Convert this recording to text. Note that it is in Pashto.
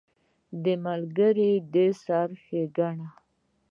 • د ملګرو سره کښېنه.